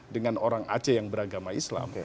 dengan orang aceh yang beragama islam